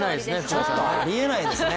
ちょっとありえないですね。